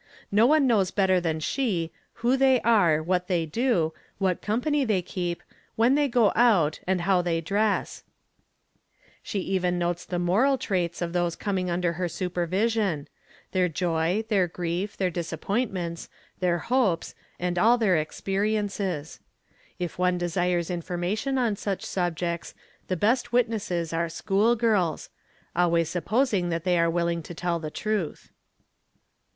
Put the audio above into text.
No one knows better than she, who they are, what 'they do, what company they keep, when they go out, and how they dress. 'She even notes the moral traits of those coming under her supervision,— 'their joy, their grief, their disappointments, their hopes, and all their ex periences. are school girls—always supposing that they are willing to tell the truth.